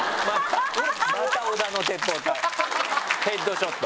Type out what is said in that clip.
ヘッドショット。